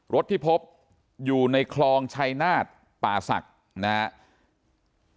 รถที่พบอยู่ในคลองชัยนาฏป่าศักดิ์นะครับ